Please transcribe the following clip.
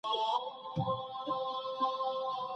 د ازاد انسان خرڅول هیڅکله روا نه دي.